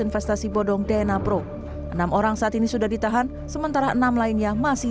investasi bodong dna pro enam orang saat ini sudah ditahan sementara enam lainnya masih